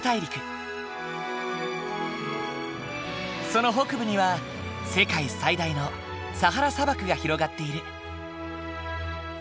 その北部には世界最大のサハラ砂漠が広がっている。